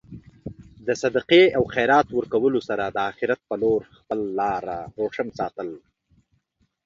د صدقې او خیرات ورکولو سره د اخرت په لور خپل لاره روشن ساتل.